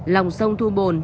lòng sông thu bồn